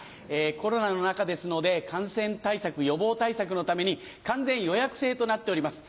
コロナの中ですので感染対策予防対策のために完全予約制となっております。